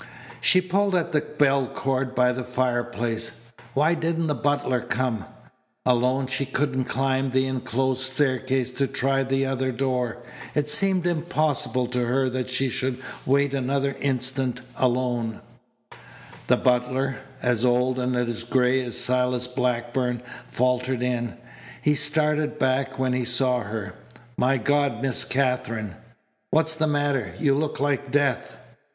She pulled at the bell cord by the fireplace. Why didn't the butler come? Alone she couldn't climb the enclosed staircase to try the other door. It seemed impossible to her that she should wait another instant alone The butler, as old and as gray as Silas Blackburn, faltered in. He started back when he saw her. "My God, Miss Katherine! What's the matter? You look like death."